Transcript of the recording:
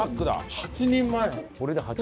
８人前？